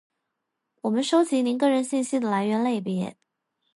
我们收集您个人信息的来源类别；